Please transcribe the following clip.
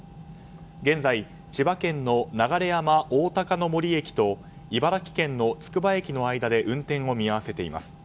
現在千葉県の流山おおたかの森駅と茨城県のつくば駅の間で運転を見合わせています。